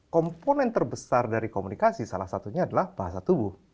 komponen terbesar dari komunikasi salah satunya adalah bahasa tubuh